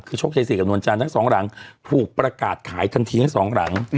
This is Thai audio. คือโชคชัยศรีกับนวลจันทร์ทั้งสองหลังถูกประกาศขายทันทีทั้งสองหลัง